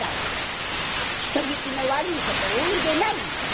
「人聞きの悪いことお言いでないよ！